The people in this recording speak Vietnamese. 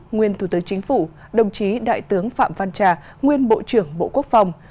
nguyên thủ tướng chính phủ đồng chí đại tướng phạm văn trà nguyên bộ trưởng bộ quốc phòng